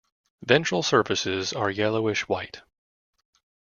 Ventral surfaces are yellowish-white.